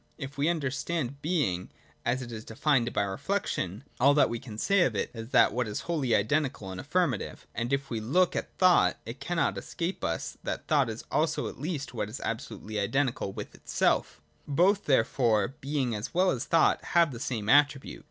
If we under stand being as it is defined by reflection, all that we can say of it is that it is what is wholly identical and affirmative. And if we then look at thought, it cannot escape us that thought also is at least what is absolutely identical with itself Both therefore, being as well as thought, have the same attribute.